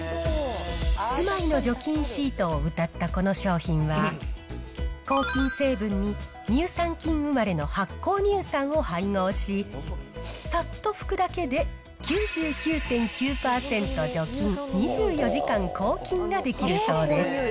すまいの除菌シートをうたったこの商品は、抗菌成分に乳酸菌生まれの発酵乳酸を配合し、さっと拭くだけで９９．９％除菌、２４時間抗菌ができるそうです。